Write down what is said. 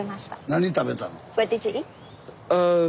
何食べたの？